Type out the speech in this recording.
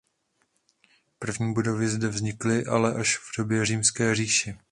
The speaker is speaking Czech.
První budovy zde vznikly ale až v době Římské říše.